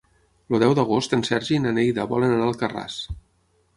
El deu d'agost en Sergi i na Neida volen anar a Alcarràs.